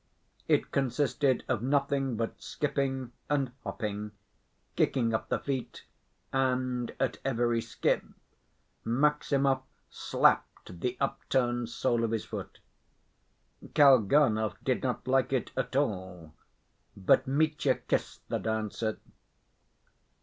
It consisted of nothing but skipping and hopping, kicking up the feet, and at every skip Maximov slapped the upturned sole of his foot. Kalganov did not like it at all, but Mitya kissed the dancer.